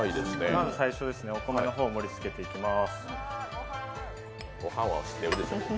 まず最初にお米を盛り付けていきます。